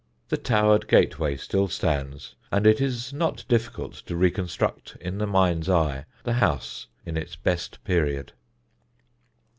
The towered gateway still stands, and it is not difficult to reconstruct in the mind's eye the house in its best period.